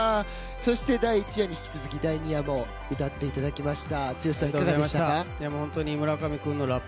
第１夜に引き続き第２夜も歌っていただきました。